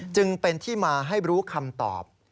จึงเป็นที่มาให้รู้คำตอบ